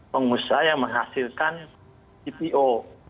pengusaha yang menghasilkan cpo